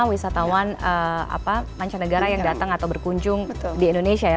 wisatawan mancanegara yang datang atau berkunjung di indonesia ya